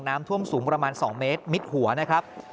น้ำท่วมสูงประมาณ๒เมตรมิดหัวนะครับ